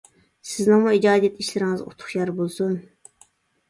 سىزنىڭمۇ ئىجادىيەت ئىشلىرىڭىزغا ئۇتۇق يار بولسۇن!